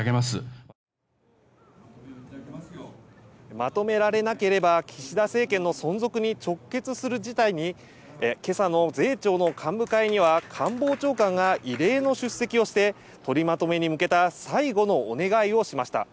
まとめられなければ岸田政権の存続に直結する事態に今朝の税調の幹部会には官房長官が異例の出席をして取りまとめに向けた最後のお願いをしました。